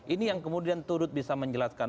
ini yang kemudian turut bisa menjelaskan